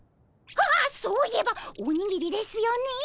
ああそういえばおにぎりですよねえ。